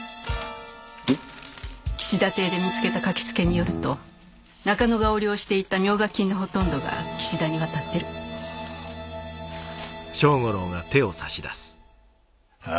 おっ岸田邸で見つけた書付けによると中野が横領していた冥加金のほとんどが岸田に渡ってるあぁ？